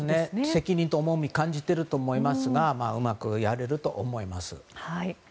責任と重みを感じてると思いますがうまくやれると思います。